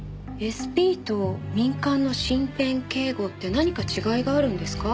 ＳＰと民間の身辺警護って何か違いがあるんですか？